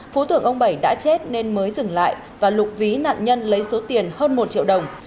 phú tưởng ông bảy đã chết nên mới dừng lại và lục ví nạn nhân lấy số tiền hơn một triệu đồng